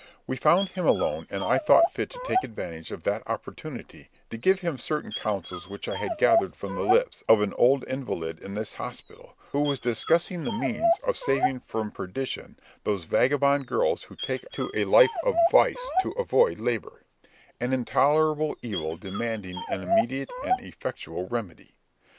We found him alone, and I thought fit to take advantage of that opportunity to give him certain counsels which I had gathered from the lips of an old invalid in this hospital, who was discussing the means of saving from perdition those vagabond girls who take to a life of vice to avoid labour,—an intolerable evil demanding an immediate and effectual remedy.